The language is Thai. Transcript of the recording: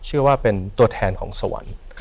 ชื่อว่าเป็นตัวแทนของสวรรค์